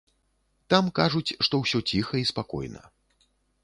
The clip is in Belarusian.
Там, кажуць, што ўсё ціха і спакойна.